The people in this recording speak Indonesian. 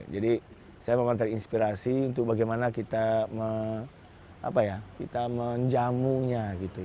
jadi saya memantai inspirasi untuk bagaimana kita menjamunya